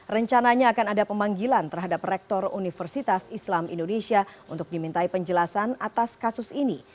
rencananya akan ada pemanggilan terhadap rektor universitas islam indonesia untuk dimintai penjelasan atas kasus ini